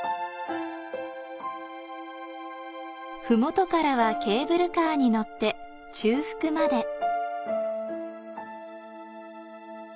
麓からはケーブルカーに乗って中腹まで。